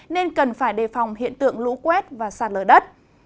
nên cần phải đề phòng hiện tượng lũ quét và sạt lở đất